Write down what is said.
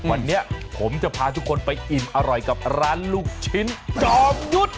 อย่างนี้ผมจะพาทุกคนไปอินอร่อยกับร้านลูกชิ้นจอมหยุด